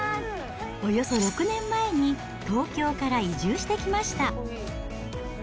およそ６年前に、東京から移住してきました。